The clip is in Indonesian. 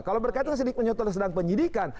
kalau berkaitan sidik penyutul dan penyidikan